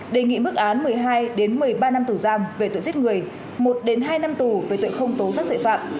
đề nghị mức án một mươi hai một mươi ba năm tù giam về tội giết người một hai năm tù về tội không tố giác tội phạm